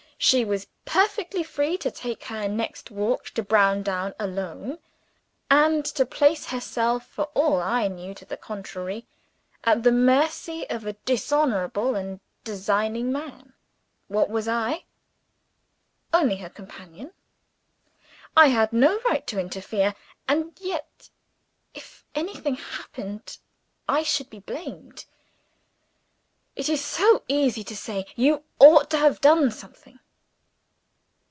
She was perfectly free to take her next walk to Browndown alone! and to place herself, for all I knew to the contrary, at the mercy of a dishonorable and designing man. What was I? Only her companion. I had no right to interfere and yet, if anything happened, I should be blamed. It is so easy to say, "You ought to have done something."